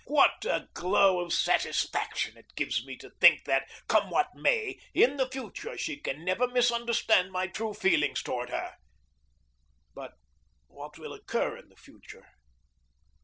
What a glow of satisfaction it gives me to think that, come what may, in the future she can never misunderstand my true feelings toward her. But what will occur in the future?